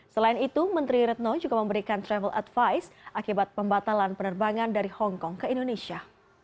selain itu menteri retno juga memberikan travel advice akibat pembatalan penerbangan dari hongkong ke indonesia